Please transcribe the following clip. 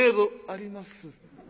「あります。